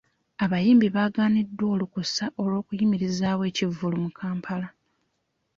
Abayimbi bagaaniddwa olukusa lw'okuyimirizaawo ekivvulu mu Kampala.